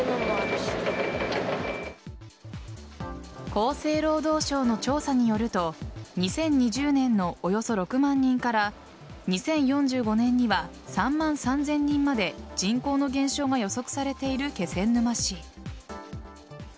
厚生労働省の調査によると２０２０年のおよそ６万人から２０４５年には３万３０００人まで人口の減少が予測されている気仙沼市。